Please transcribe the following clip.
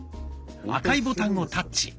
赤いボタンをタッチ。